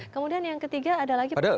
kemudian yang ketiga ada lagi pertanyaan